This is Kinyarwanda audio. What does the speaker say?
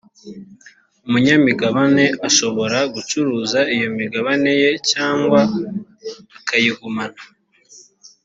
umunyamigabane ashobora gucuruza iyo migabane ye cyangwa akayigumana